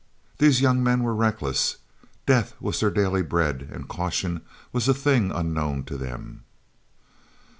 These young men were reckless. Death was their daily bread, and caution was a thing unknown to them.